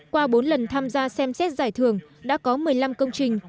qua bốn lần tham gia xem xét giải thưởng đã có một mươi năm công trình cụm công trình